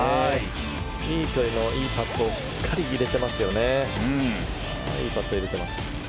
いい距離のいいパットをしっかり入れていますね。